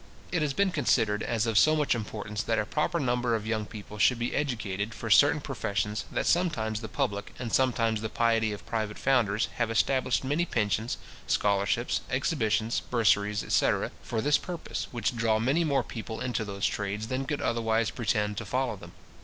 It has been considered as of so much importance that a proper number of young people should be educated for certain professions, that sometimes the public, and sometimes the piety of private founders, have established many pensions, scholarships, exhibitions, bursaries, etc. for this purpose, which draw many more people into those trades than could otherwise pretend to follow them.